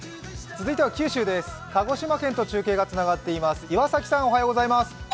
続いては九州です、鹿児島県と中継がつながっています。